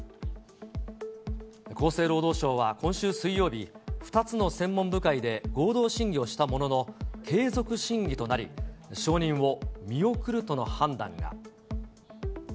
厚生労働省は今週水曜日、２つの専門部会で合同審議をしたものの、継続審議となり、承認を見送るとの判断が。